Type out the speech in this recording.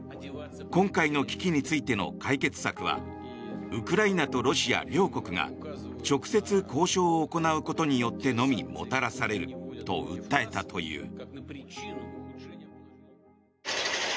今回の危機についての解決策はウクライナとロシア両国が直接交渉を行うことによってのみもたらされると訴えたという。